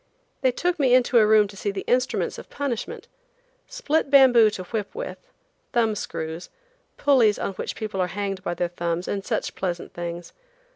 They took me into a room to see the instruments of punishment. Split bamboo to whip with, thumb screws, pulleys on which people are hanged by their thumbs, and such pleasant things.